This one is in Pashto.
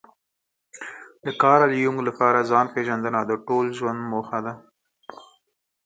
د کارل يونګ لپاره ځان پېژندنه د ټول ژوند موخه ده.